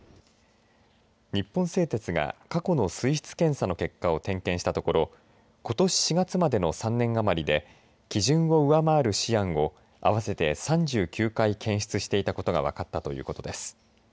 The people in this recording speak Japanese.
日本製鉄が過去の水質検査の結果を点検したところことし４月までの３年余りで基準を上回るシアンを合わせて３９回検出していたことが分かったということです。